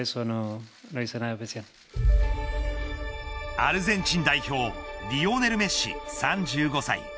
アルゼンチン代表リオネル・メッシ、３５歳。